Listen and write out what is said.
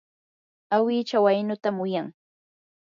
awicha waynutam wiyan.